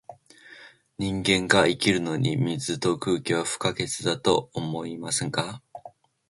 人間が生きるのに、水と空気は不可欠だとは思いませんか？